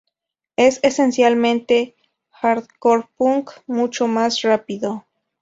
Es, esencialmente, "hardcore punk" mucho más rápido.